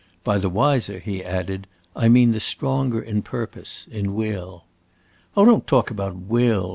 "By the wiser," he added, "I mean the stronger in purpose, in will." "Oh, don't talk about will!"